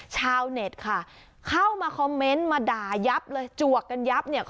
ชาวเน็ตค่ะเข้ามาคอมเมนต์มาด่ายับเลยจวกกันยับเนี่ย